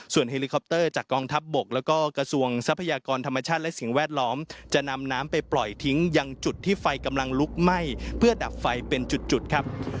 เฮลิคอปเตอร์จากกองทัพบกแล้วก็กระทรวงทรัพยากรธรรมชาติและสิ่งแวดล้อมจะนำน้ำไปปล่อยทิ้งยังจุดที่ไฟกำลังลุกไหม้เพื่อดับไฟเป็นจุดครับ